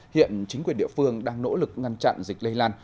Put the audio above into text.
hiện chính quyền địa phương đang nỗ lực ngăn chặn dịch lây lan